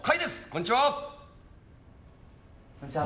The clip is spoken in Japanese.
こんにちは。